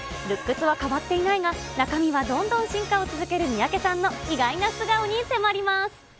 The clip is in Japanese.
ルックスは変わっていないが、中身はどんどん進化を続ける三宅さんの意外な素顔に迫ります。